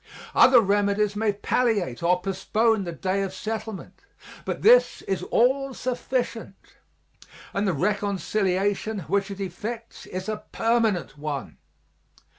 Other remedies may palliate or postpone the day of settlement, but this is all sufficient and the reconciliation which it effects is a permanent one.